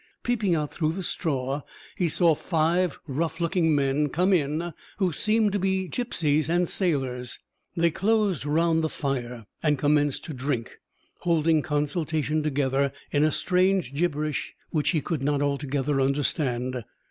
Peeping out through the straw, he saw five rough looking men come in who seemed to be gipsies and sailors. They closed round the fire and commenced to drink, holding consultation together in a strange gibberish which he could not altogether understand.